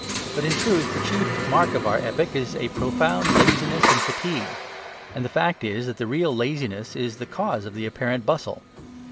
But in truth the chief mark of our epoch is a profound laziness and fatigue; and the fact is that the real laziness is the cause of the apparent bustle.